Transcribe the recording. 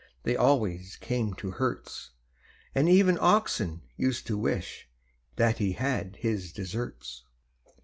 They always came to Herts; And even Oxon used to wish That he had his deserts.